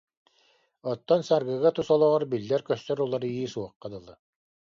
Оттон Саргыга тус олоҕор биллэр-көстөр уларыйыы суохха дылы